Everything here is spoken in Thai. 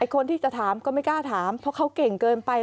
คนที่จะถามก็ไม่กล้าถามเพราะเขาเก่งเกินไป